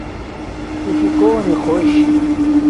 تُشُو کݸنݵ خݸش؟